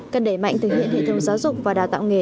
cần đẩy mạnh thực hiện hệ thống giáo dục và đào tạo nghề